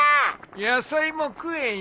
野菜も食えよ。